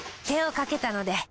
手をかけたので。